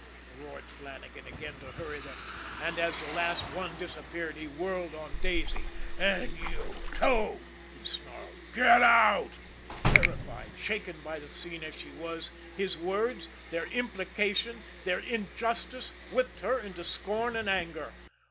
roared Flannagan again to hurry them, and, as the last one disappeared, he whirled on Daisy. "And you, too!" he snarled. "Get out!" Terrified, shaken by the scene as she was, his words, their implication, their injustice, whipped her into scorn and anger.